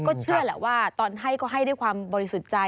ก็เชื่อแหละว่าตอนให้ก็ให้ด้วยความบริสุทธิ์ใจ